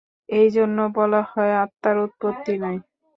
এই জন্য বলা হয়, আত্মার উৎপত্তি নাই।